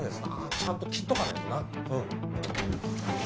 ちゃんと切っとかないとな